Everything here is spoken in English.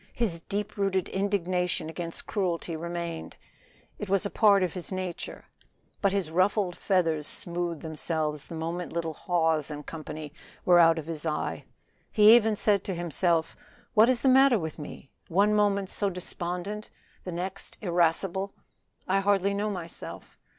His deep rooted indignation against cruelty remained; it was a part of his nature. But his ruffled feathers smoothed themselves the moment little Hawes & Co. were out of his eye. He even said to himself, "What is the matter with me? one moment so despondent, the next irascible. I hardly know myself.